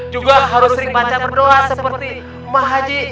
juga harus sering baca berdoa seperti umah haji